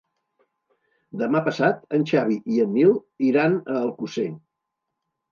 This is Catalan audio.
Demà passat en Xavi i en Nil iran a Alcosser.